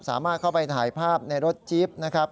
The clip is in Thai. สามารถเข้าไปถ่ายภาพในรถจิ๊บนะครับ